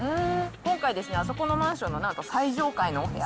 今回、あそこのマンションのなんと最上階のお部屋。